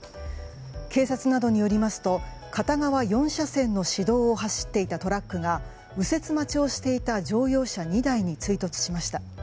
警察などによりますと片側４車線の市道を走っていたトラックが右折待ちをしていた乗用車２台に追突しました。